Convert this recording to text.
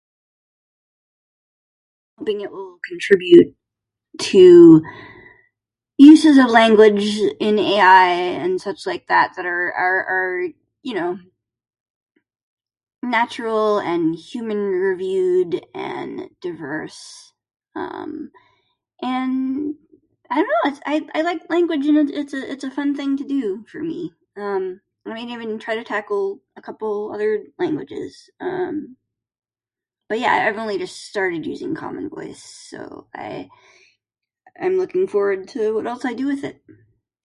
-thing that will contribute to uses of language in AI and such like that that are are are you know, natural and human-reviewed and diverse. Um, and I dunno, it's I I like language and it's it's a it's a fun thing to do, for me. Um, I might even try to tackle a couple other languages. Um, but yeah, I've only just started using Common Voice, so I... I'm looking forward to what else I do with it.